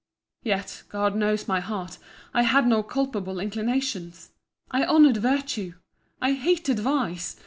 — Yet, God knows my heart, I had no culpable inclinations!—I honoured virtue!—I hated vice!